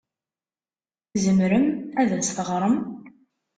Tzemrem ad as-teɣrem?